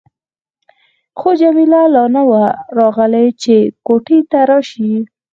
خو جميله لا نه وه راغلې چې کوټې ته راشي.